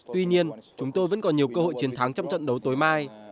tuy nhiên chúng tôi vẫn còn nhiều cơ hội chiến thắng trong trận đấu tối mai